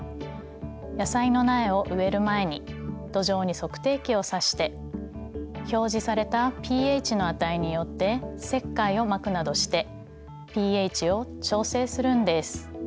野菜の苗を植える前に土壌に測定器をさして表示されたｐＨの値によって石灰をまくなどしてｐＨを調整するんです。